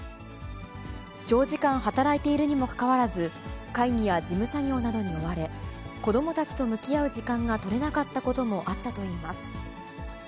長時間働いているにもかかわらず、会議や事務作業などに追われ、子どもたちと向き合う時間が取れなかったこともあったといいます。